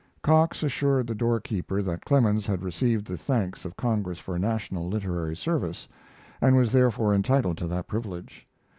Cox assured the doorkeeper that Clemens had received the thanks of Congress for national literary service, and was therefore entitled to that privilege.